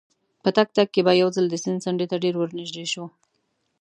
په تګ تګ کې به یو ځل د سیند څنډې ته ډېر ورنژدې شوو.